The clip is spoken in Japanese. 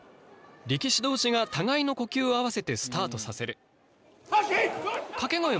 力士同士が互いの呼吸を合わせてスタートさせる。